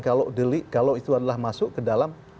kalau itu adalah masuk ke dalam